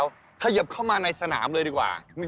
วัยรุ่นเขาเรียกว่าวืด